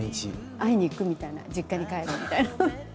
会いに行くみたいな実家に帰るみたいな。